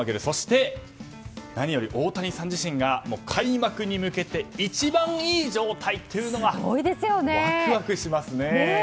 そして何より大谷さん自身が開幕に向けて一番いい状態というのがワクワクしますね。